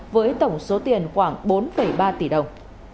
với tổng số tiền khoảng bốn ba tỷ đồng